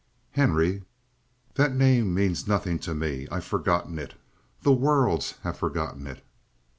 "Henry!" "That name means nothing to me I've forgotten it. The worlds has forgotten it."